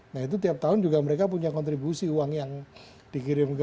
nah itu tiap tahun juga mereka punya kontribusi uang yang dikirim ke